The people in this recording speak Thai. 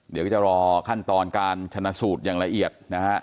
เดี๋ยวก็จะรอขั้นตอนการชนะสูตรอย่างละเอียดนะฮะ